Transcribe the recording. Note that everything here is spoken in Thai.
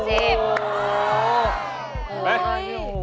เห็นมั้ยโอ้โห